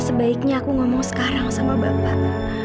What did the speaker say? sebaiknya aku ngomong sekarang sama bapak